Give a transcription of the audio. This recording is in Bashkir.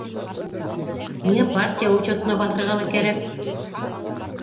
Миңә партия учетына баҫырға ла кәрәк.